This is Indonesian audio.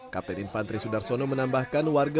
kapten infantri sudarsono menambahkan warga